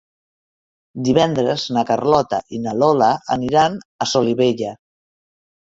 Divendres na Carlota i na Lola aniran a Solivella.